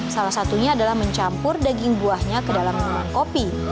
salah satunya adalah mencampur daging buahnya ke dalam minuman kopi